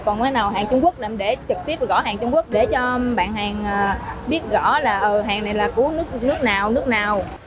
còn nếu nào hàng trung quốc thì em để trực tiếp gõ hàng trung quốc để cho bạn hàng biết gõ là hàng này là của nước nào